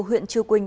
huyện chư quynh